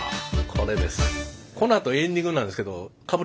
このあとエンディングなんですけどかぶりますか？